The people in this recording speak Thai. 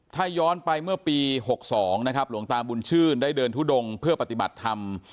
ถ้าย้อนไปเมื่อปี๖๒นะครับหลวงตาบุญชื่นได้เดินทุดงเพื่อปฏิบัติธรรม